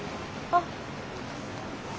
あっ。